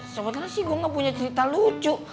sebenernya sih gue nggak punya cerita lucu